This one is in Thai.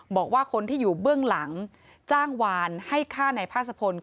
บอกว่าคนที่อยู่เบื้องหลังจ้างหวานให้ฆ่าหน่ายภาษภนธรรม